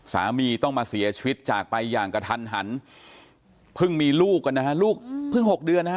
สามีต้องมาเสียชีวิตจากไปอย่างกระทันหันเพิ่งมีลูกกันนะฮะลูกเพิ่ง๖เดือนนะฮะ